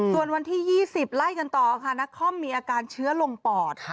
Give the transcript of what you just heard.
ส่วนวันที่๒๐ไล่กันต่อค่ะนักคอมมีอาการเชื้อลงปอด